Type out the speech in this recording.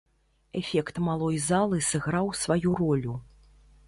Эфект малой залы сыграў сваю ролю.